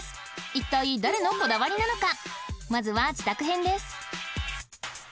一体誰のこだわりなのか！？